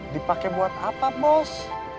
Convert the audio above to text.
dipakai buat apa bos